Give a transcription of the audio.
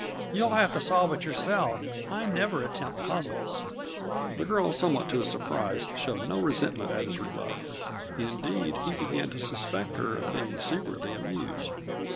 "You'll have to solve it yourself. I never attempt puzzles." The girl, somewhat to his surprise, showed no resentment at his rebuff. Indeed, he began to suspect her of being secretly amused.